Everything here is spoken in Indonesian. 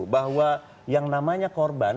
bahwa yang namanya korban